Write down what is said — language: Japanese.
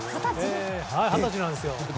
二十歳なんですよね。